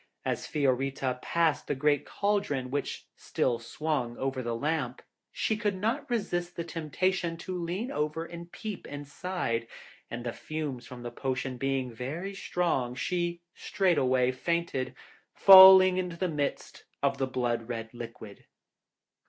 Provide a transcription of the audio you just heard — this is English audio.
As Fiorita passed the great cauldron which still swung over the lamp, she could not resist the temptation to lean over and peep inside, and the fumes from the potion being very strong, she straightway fainted, falling into the midst of the blood red liquid.